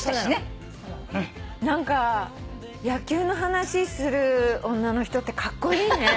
何か野球の話する女の人ってカッコイイね。